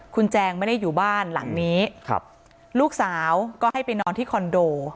คุณแจงไม่ได้อยู่บ้านหลังนี้ครับลูกสาวก็ให้ไปนอนที่คอนโด